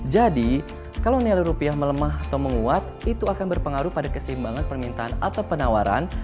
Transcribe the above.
jadi kalau nilai rupiah melemah atau menguat itu akan berpengaruh pada keseimbangan permintaan atau penawaran